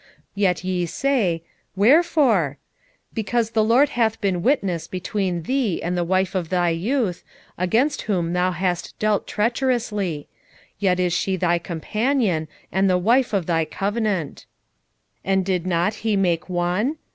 2:14 Yet ye say, Wherefore? Because the LORD hath been witness between thee and the wife of thy youth, against whom thou hast dealt treacherously: yet is she thy companion, and the wife of thy covenant. 2:15 And did not he make one?